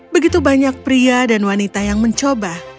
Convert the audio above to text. begitu banyak pria dan wanita yang mencoba